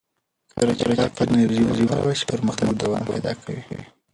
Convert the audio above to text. کله چې پاکه انرژي وکارول شي، پرمختګ دوام پیدا کوي.